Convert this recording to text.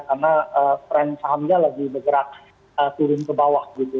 karena trend sahamnya lagi bergerak turun ke bawah gitu